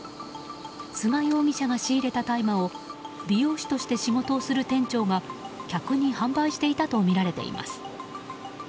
菅容疑者が仕入れた大麻を美容師として仕事をする店長が客に販売していたとみられています。